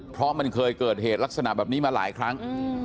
เพราะมันเคยเกิดเหตุลักษณะแบบนี้มาหลายครั้ง